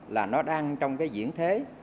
là nó đang trong cái diễn thế